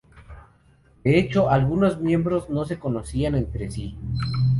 De hecho, algunos miembros no se conocían entre sí.